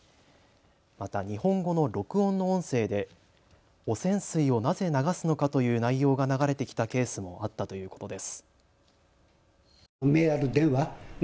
また日本語の録音の音声で汚染水をなぜ流すのかという内容が流れてきたケースもあったということです。